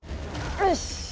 よし！